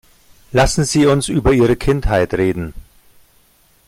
Lassen Sie uns über Ihre Kindheit reden.